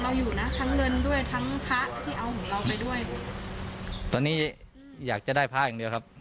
อยู่นะทั้งเงินด้วยทั้งพระที่เอาของเราไปด้วยตอนนี้อยากจะได้พระอย่างเดียวครับ